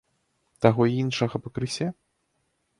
Таго й іншага пакрысе?